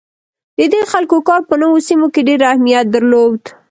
د دې خلکو کار په نوو سیمو کې ډیر اهمیت درلود.